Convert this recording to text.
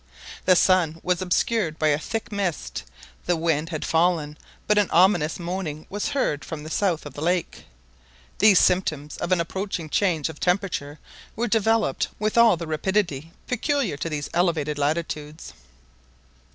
The sun was obscured by a thick mist, the wind had fallen, but an ominous moaning was heard from the south of the lake. These symptoms of an approaching change of temperature were developed with all the rapidity peculiar to these elevated latitudes.